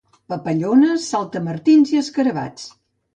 Papallones, saltamartins i escarabats.